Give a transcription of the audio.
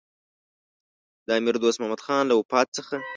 د امیر دوست محمدخان له وفات څخه.